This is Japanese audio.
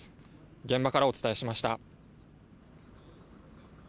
現場からお伝えしました。